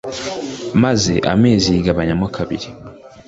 maze amazi yigabanyamo kabiri